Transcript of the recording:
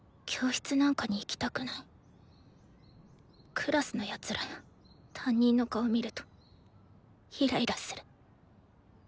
クラスの奴らや担任の顔見るとイライラする。